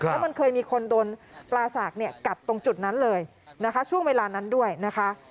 แล้วมันเคยมีคนโดนปลาสากกัดตรงจุดนั้นเลยนะคะช่วงเวลานั้นด้วยนะคะ